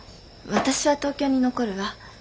私は東京に残るわ。